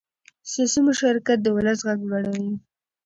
سیاسي مشارکت د ولس غږ لوړوي